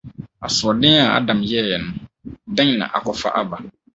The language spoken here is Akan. Asoɔden a Adam yɛe no, dɛn na akɔfa aba?